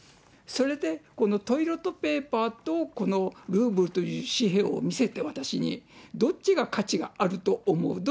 それで、このトイレットペーパーとこのルーブルという紙幣を見せて、私に、どっちが価値があると思う？